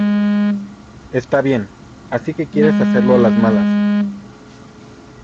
Está bien. Así que quieres hacerlo a las malas ...